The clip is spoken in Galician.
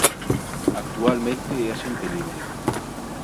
Actualmente é axente libre.